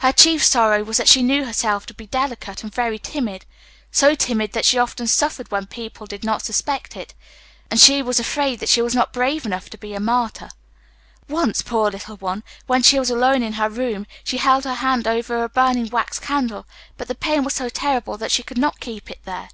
Her chief sorrow was that she knew herself to be delicate and very timid so timid that she often suffered when people did not suspect it and she was afraid that she was not brave enough to be a martyr. Once, poor little one! when she was alone in her room, she held her hand over a burning wax candle, but the pain was so terrible that she could not keep it there.